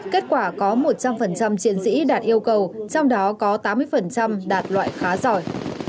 kết quả có một trăm linh chiến sĩ đạt yêu cầu trong đó có tám mươi đạt loại khá giỏi